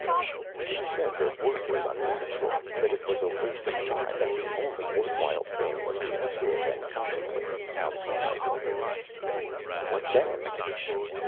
"He said that work was unnatural. That it was a waste of time. That the only worthwhile thing was to sit and contemplate outside." "What then?"